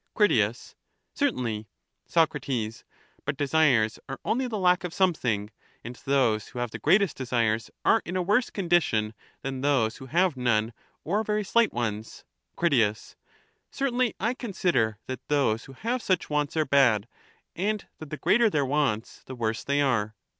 Crit. Certainly. Soc. But desires are only the lack of something : and those who have the greatest desires are in a worse condition than those who have none or very slight ones? 406 Crit. Certainly I consider that those who have such wants are bad, and that the greater their wants the worse they are.